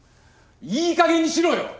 いいかげんにしろよ！